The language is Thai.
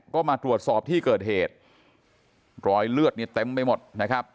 ก็มาตรวจสอบที่เกิดเหตุรอยเลือดเนี่ยเต็มไปหมดนะครับ